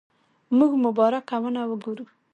موږ مبارکه ونه وګورو.